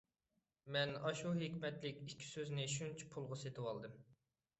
مەن ئاشۇ ھېكمەتلىك ئىككى سۆزنى شۇنچە پۇلغا سېتىۋالدىم.